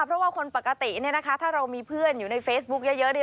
เพราะว่าคนปกติถ้าเรามีเพื่อนอยู่ในเฟซบุ๊คเยอะ